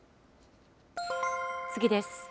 次です。